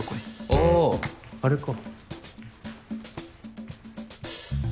あぁあれか。